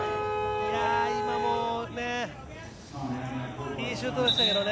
今もいいシュートでしたけどね。